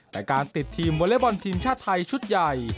แต่การติดทีมวอเล็กบอลทีมชาติไทยชุดใหญ่